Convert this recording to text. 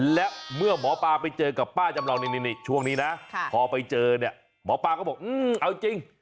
และเมื่อหมอปลาไปเจอกับป้าจำลองนี่ช่วงนี้นะพอไปเจอเนี่ยหมอปลาก็บอกเอาจริง